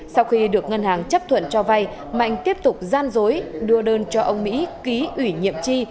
sau khi được ngân hàng chấp thuận cho vay mạnh tiếp tục gian dối đưa đơn cho ông mỹ ký ủy nhiệm chi